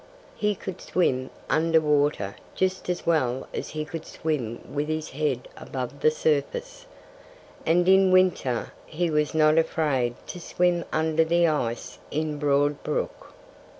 He could swim under water just as well as he could swim with his head above the surface. And in winter he was not afraid to swim under the ice in Broad Brook.